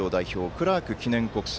クラーク記念国際。